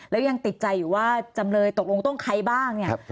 แล้วยังติดใจอยู่ว่าจำเลยตกลงต้องใครบ้างเนี่ย